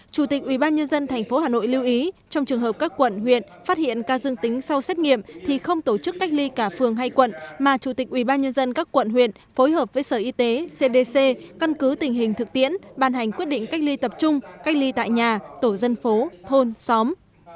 chủ tịch ubnd tp hà nội lưu ý trong trường hợp các quận huyện phát hiện ca dương tính sau xét nghiệm thì không tổ chức cách ly cả phường hay quận mà chủ tịch ubnd các quận huyện phối hợp với sở y tế cdc căn cứ tình hình thực tiễn bàn hành quyết định cách ly tập trung cách ly tại nhà tổ dân phố thôn xóm